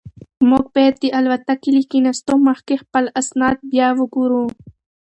موږ باید د الوتکې له کښېناستو مخکې خپل اسناد بیا وګورو.